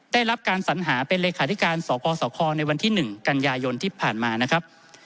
ได้รับการสัญหาเป็นเลขาธิการสกสคในวันที่๑กันยายนที่ผ่านมานะครับ